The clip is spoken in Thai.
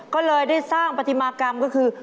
ก็เลยได้สร้างปฏิมากรรมก็คือ